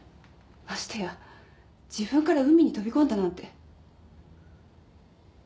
ましてや自分から海に飛び込んだなんて。